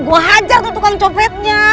gue hajar tuntukan dicopetnya